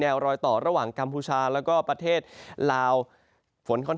รอยต่อระหว่างกัมพูชาแล้วก็ประเทศลาวฝนค่อนข้าง